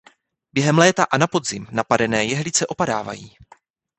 Během léta a na podzim napadené jehlice opadávají.